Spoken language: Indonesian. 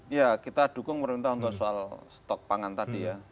ya kita dukung pemerintah untuk soal stok pangan tadi ya